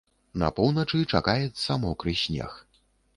На поўначы чакаецца мокры снег.